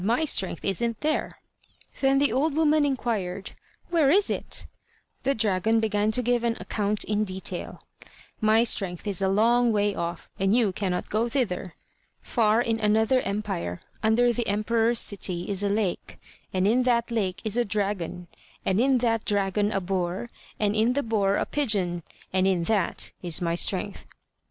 my strength isn't there." Then the old woman inquired: "Where is it?" The dragon began to give an account in detail: "My strength is a long way off, and you cannot go thither. Far in another empire under the emperor's city is a lake, in that lake is a dragon, and in that dragon a boar, and in the boar a pigeon, and in that is my strength."